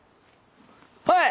はい！